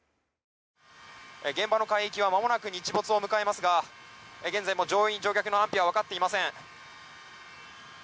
現場の海域は間もなく日没を迎えますが現在も乗客・乗員の安否は分かっていません。